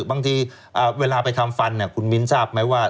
บางทีเวลาไปทำฟันคุณมิ้นทราบไหมว่า